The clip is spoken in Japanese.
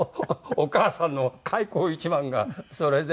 お母さんの開口一番がそれで。